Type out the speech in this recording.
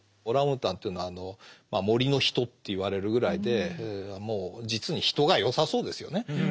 オランウータンというのは「森の人」と言われるぐらいでもう実に人がよさそうですよね。